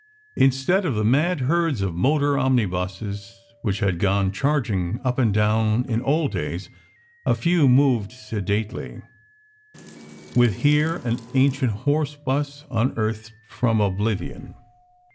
Instead of the mad herds of motor omnibuses, which had gone charging up and down in "old days," a few moved sedately, with here an ancient horse bus unearthed from oblivion.